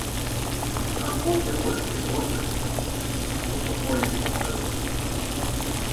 А после ходит тревожный, но спокойный наружно.